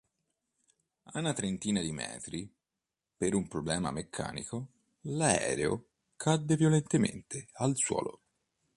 A una trentina di metri, per un problema meccanico, l'aereo cadde violentemente al suolo.